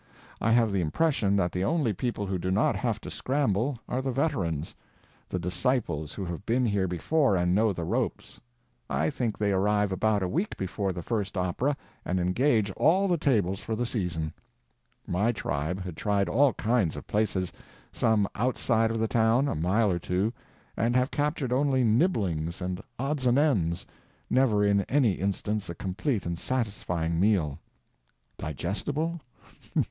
I have the impression that the only people who do not have to scramble are the veterans—the disciples who have been here before and know the ropes. I think they arrive about a week before the first opera, and engage all the tables for the season. My tribe had tried all kinds of places—some outside of the town, a mile or two—and have captured only nibblings and odds and ends, never in any instance a complete and satisfying meal. Digestible?